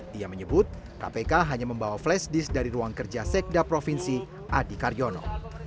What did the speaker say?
dia menyebut kpk hanya membawa flash disk dari ruang kerja sekda provinsi adi karyono